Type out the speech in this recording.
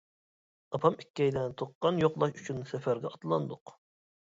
ئاپام ئىككىيلەن تۇغقان يوقلاش ئۈچۈن سەپەرگە ئاتلاندۇق.